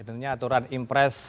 intinya aturan impress